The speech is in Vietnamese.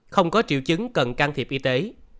không có triệu chứng cần can thiệp y tế